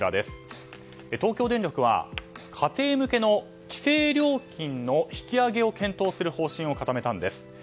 東京電力は家庭向けの規制料金の引き上げを検討する方針を固めたんです。